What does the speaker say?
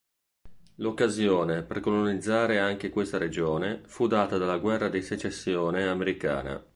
L'occasione per colonizzare anche questa regione fu data dalla Guerra di Secessione americana.